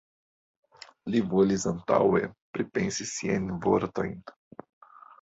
Li volis antaŭe pripensi siajn vortojn.